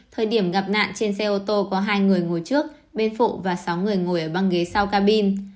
thời điểm gặp nạn trên xe ô tô có hai người ngồi trước bên phụ và sáu người ngồi ở băng ghế sau cabin